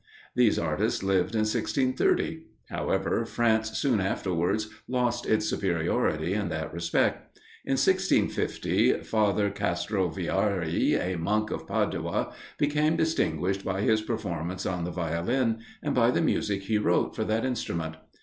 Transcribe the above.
These artists lived in 1630. However, France soon afterwards lost its superiority in that respect. In 1650, Father Castrovillari, a monk of Padua, became distinguished by his performance on the Violin, and by the music he wrote for that instrument.